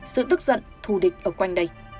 sự tức giận thù địch ở quanh đây